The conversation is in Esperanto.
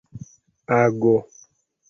ago